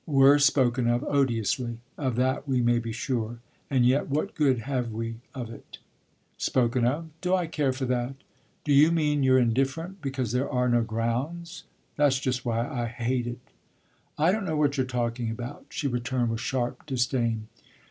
We're spoken of odiously of that we may be sure; and yet what good have we of it?" "Spoken of? Do I care for that?" "Do you mean you're indifferent because there are no grounds? That's just why I hate it." "I don't know what you're talking about!" she returned with sharp disdain.